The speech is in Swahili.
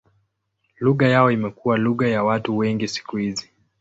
Lugha yao imekuwa lugha ya watu wengi siku hizi.